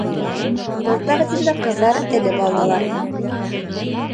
Был тәҡдимде ҡыҙҙар элеп алдылар.